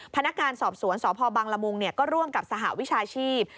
พนักงานสอบสวนสพบังละมุงก็ร่วมกับสหวิชาชีพ